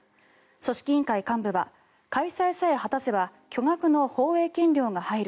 組織委員会幹部は開催さえ果たせば巨額の放映権料が入る。